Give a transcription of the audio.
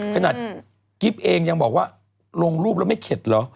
ขนาดกิ๊บเองยังบอกว่าลงรูปแล้วไม่เข็ดเหรอ